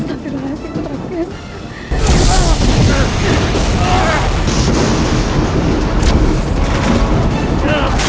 astaghfirullahaladzim putraku ya satu